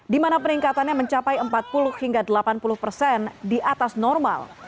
di mana peningkatannya mencapai empat puluh hingga delapan puluh persen di atas normal